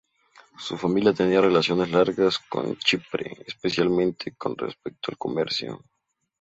Su familia tenía relaciones largas con Chipre, especialmente con respecto al comercio.